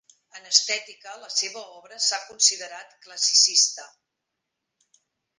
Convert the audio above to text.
En estètica la seva obra s'ha considerat classicista.